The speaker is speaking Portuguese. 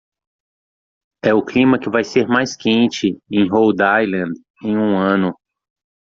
é o clima que vai ser mais quente em Rhode Island em um ano